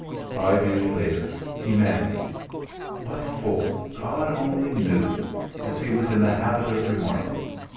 Five years later he married. What for? God only knew! as he was in the habit of remarking.